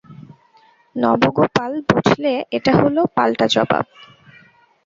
নবগোপাল বুঝলে এটা হল পালটা জবাব।